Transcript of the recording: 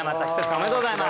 おめでとうございます。